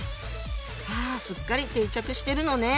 あすっかり定着してるのね。